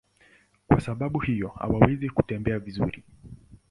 Kwa sababu hiyo hawawezi kutembea vizuri.